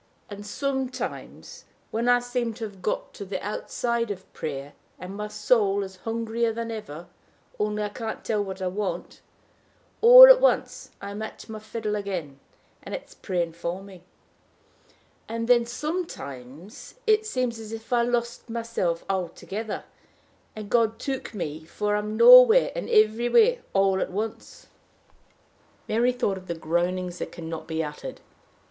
And sometimes, when I seem to have got to the outside of prayer, and my soul is hungrier than ever, only I can't tell what I want, all at once I'm at my fiddle again, and it's praying for me. And then sometimes it seems as if I lost myself altogether, and God took me, for I'm nowhere and everywhere all at once." Mary thought of the "groanings that can not be uttered."